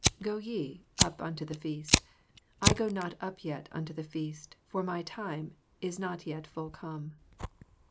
8 Go ye up unto this feast: I go not up yet unto this feast; for my time is not yet full come.